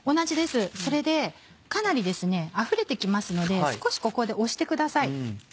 それでかなりあふれて来ますので少しここで押してください。